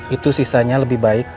itu sisanya lebih baik